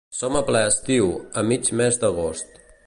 Som a ple estiu, a mig mes d'agost.